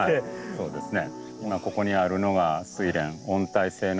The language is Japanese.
そうですね。